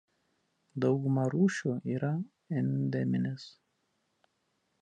Dauguma rūšių yra endeminės.